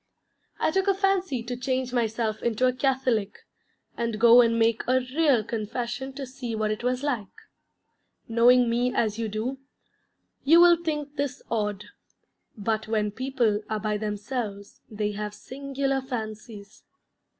I took a fancy to change myself into a Catholic, and go and make a real Confession to see what it was like. Knowing me as you do, you will think this odd, but when people are by themselves they have singular fancies.